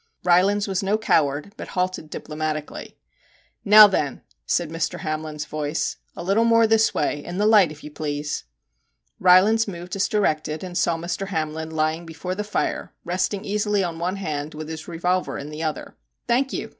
Rylands was no coward, but halted diplo matically. * Now then/ said Mr. Hamlin's voice, 'a little more this way, in the light, if you please !' Rylands moved as directed, and saw Mr. Hamlin lying before the fire, resting easily on one hand, with his revolver in the other. * Thank you!